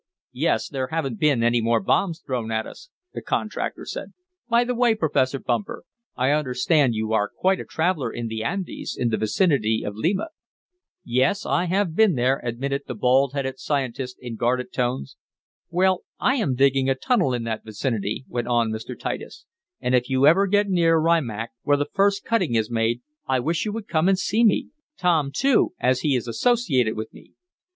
"Yes. There haven't been any more bombs thrown at us," the contractor said. "By the way, Professor Bumper, I understand you are quite a traveler in the Andes, in the vicinity of Lima." "Yes, I have been there," admitted the bald headed scientist in guarded tones. "Well, I am digging a tunnel in that vicinity," went on Mr. Titus, "and if you ever get near Rimac, where the first cutting is made, I wish you would come and see me Tom too, as he is associated with me."